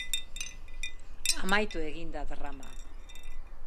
Amaitu egin da drama.